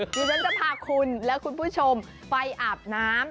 ดิฉันจะพาคุณและคุณผู้ชมไปอาบน้ำ